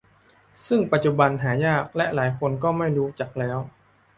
ซึ่งปัจจุบันหายากและหลายคนก็ไม่รู้จักแล้ว